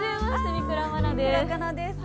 三倉佳奈です。